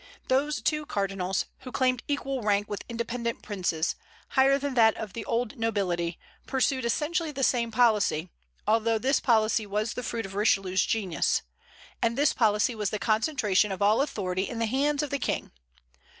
Those two cardinals, who claimed equal rank with independent princes, higher than that of the old nobility, pursued essentially the same policy, although this policy was the fruit of Richelieu's genius; and this policy was the concentration of all authority in the hands of the king.